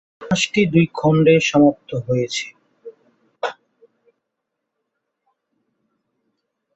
উপন্যাসটি দুই খণ্ডে সমাপ্ত হয়েছে।